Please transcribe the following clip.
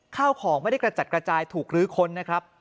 ข้าวของไม่ได้กระจัดกระจายถูกลื้อค้นนะครับ